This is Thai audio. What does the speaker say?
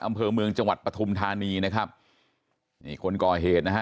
อำเภอเมืองจังหวัดปฐุมธานีนะครับนี่คนก่อเหตุนะฮะ